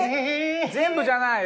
全部じゃないよ。